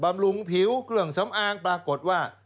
ำรุงผิวเครื่องสำอางปรากฏว่า